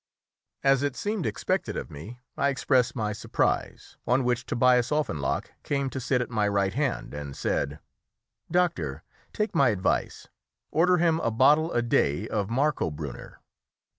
As it seemed expected of me, I expressed my surprise, on which Tobias Offenloch came to sit at my right hand, and said "Doctor, take my advice; order him a bottle a day of Marcobrunner."